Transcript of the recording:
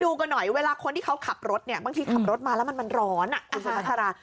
กันหน่อยเวลาคนที่เขาขับรถเนี่ยบางทีขับรถมาแล้วมันร้อนคุณสุภาษา